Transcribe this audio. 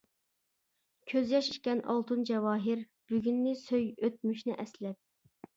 كۆز ياش ئىكەن ئالتۇن-جاۋاھىر، بۈگۈننى سۆي ئۆتمۈشنى ئەسلەپ.